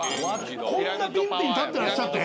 こんなピンピン立ってらっしゃって？